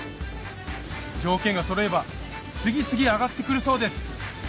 条件がそろえば次々あがって来るそうです